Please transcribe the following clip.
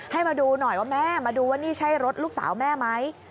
ให้มาดูหน่อยว่าแม่มาดูว่านี่ใช่รถลูกสาวแม่ไหม